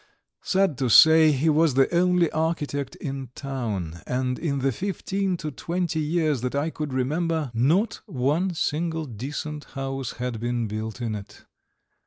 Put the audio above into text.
Sad to say, he was the only architect in the town, and in the fifteen to twenty years that I could remember not one single decent house had been built in it.